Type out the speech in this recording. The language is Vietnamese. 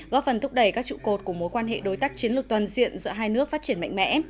góp phần thúc đẩy các trụ cột của mối quan hệ đối tác chiến lược toàn diện giữa hai nước phát triển mạnh mẽ